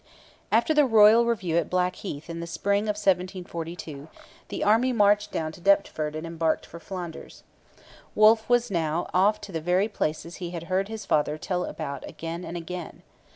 After the royal review at Blackheath in the spring of 1742 the army marched down to Deptford and embarked for Flanders. Wolfe was now off to the very places he had heard his father tell about again and again.